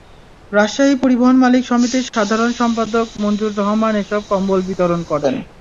রাজশাহী পরিবহন মালিক সমিতির সাধারণ সম্পাদক মঞ্জুর রহমান এসব কম্বল বিতরণ করেন।